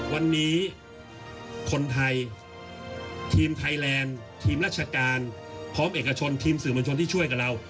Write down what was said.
วันนี้คนไทยทีมไทยแลนด์ทีมราชการพร้อมเอกชนทีมสื่อมวลชนที่ช่วยกับเรา